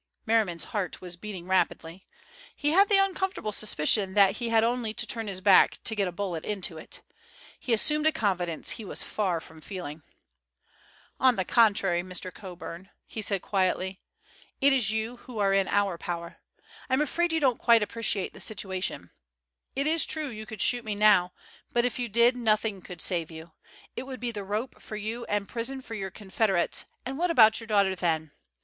Merriman's heart was beating rapidly. He had the uncomfortable suspicion that he had only to turn his back to get a bullet into it. He assumed a confidence he was far from feeling. "On the contrary, Mr. Coburn," he said quietly, "it is you who are in our power. I'm afraid you don't quite appreciate the situation. It is true you could shoot me now, but if you did, nothing could save you. It would be the rope for you and prison for your confederates, and what about your daughter then?